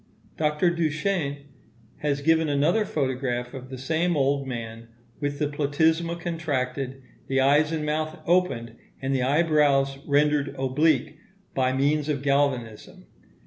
Dr. Duchenne has given another photograph of the same old man, with the platysma contracted, the eyes and mouth opened, and the eyebrows rendered oblique, by means of galvanism.